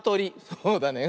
そうだね。